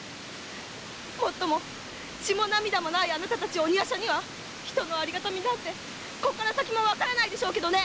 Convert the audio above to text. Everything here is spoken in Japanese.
もっとも血も涙もないあなたたち鬼夜叉には人のありがたみなんてちっともわからないでしょうけどね！